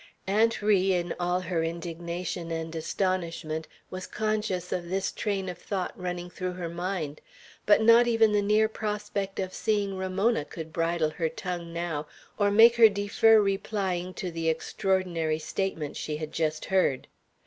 Aunt Ri, in all her indignation and astonishment, was conscious of this train of thought running through her mind; but not even the near prospect of seeing Ramona could bridle her tongue now, or make her defer replying to the extraordinary statements she had just heard.